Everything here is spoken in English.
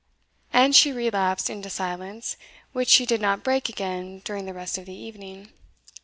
And she relapsed into silence, which she did not break again during the rest of the evening.